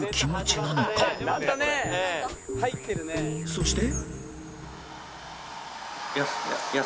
そして